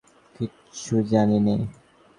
কিচ্ছু জানি নে।